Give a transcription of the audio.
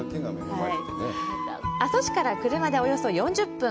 阿蘇市から車でおよそ４０分。